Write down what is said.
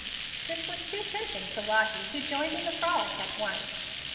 This was too tempting to Lottie, who joined the frolic at once.